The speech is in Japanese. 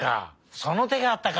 そのてがあったか！